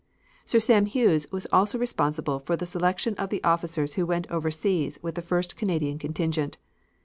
Sir Sam Hughes was also responsible for the selection of the officers who went overseas with the first Canadian contingent.